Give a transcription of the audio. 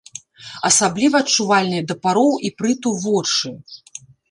Асабліва адчувальныя да пароў іпрыту вочы.